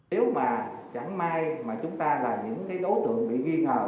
nếu mà chẳng may mà chúng ta là những đối tượng bị ghi ngờ